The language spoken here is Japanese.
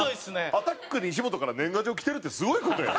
アタック西本から年賀状来てるってすごい事よ。